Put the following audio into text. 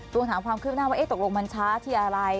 วงถามความคืบหน้าว่าตกลงมันช้าทีอะไร